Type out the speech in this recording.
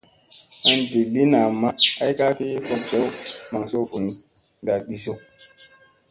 An di lii namma ay ka ki fok jew maŋ suu vun da ɗisu.